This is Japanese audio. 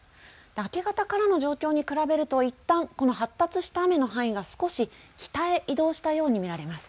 明け方からの状況に比べるといったんこの発達した雨の範囲が少し北へ移動したように見られます。